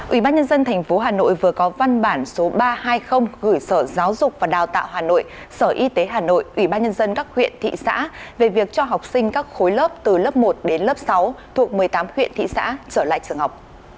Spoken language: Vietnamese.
ủy ban nhân dân tp hà nội vừa có văn bản số ba trăm hai mươi gửi sở giáo dục và đào tạo hà nội sở y tế hà nội ủy ban nhân dân các huyện thị xã về việc cho học sinh các khối lớp từ lớp một đến lớp sáu thuộc một mươi tám huyện thị xã trở lại trường học